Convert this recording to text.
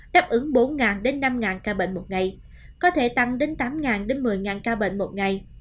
đáp ứng bốn năm ca bệnh một ngày có thể tăng đến tám một mươi ca bệnh một ngày